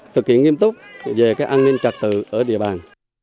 thực hiện nghiêm túc về cái an ninh trật tự ở địa bàn